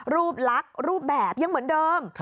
รูปลักษณ์รูปแบบยังเหมือนเดิม